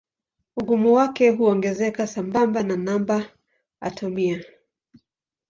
Ugumu wake huongezeka sambamba na namba atomia.